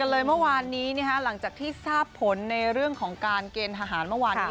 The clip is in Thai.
คุณผู้ชมเมื่อวานนี้เนี่ยฮะหลังจากที่ทราบผลในเรื่องของการเกณฑ์หนวานวันนี้